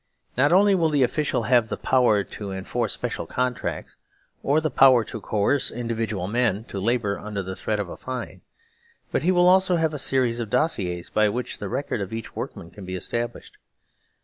Not only will the Official have the power to enforce special contracts, or the power to coerce individual men to labour under the threat of a fine, but he will also have a series of dossiers by which therecord of each workman can be established.